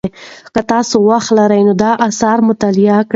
که تاسو وخت لرئ نو دا اثر مطالعه کړئ.